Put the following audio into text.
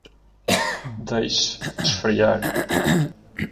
Deixe esfriar.